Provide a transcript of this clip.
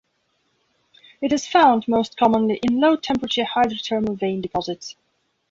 It is found most commonly in low temperature hydrothermal vein deposits.